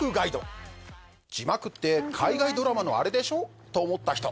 「字幕って海外ドラマのあれでしょ？」と思った人。